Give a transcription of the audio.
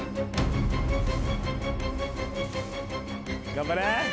頑張れ！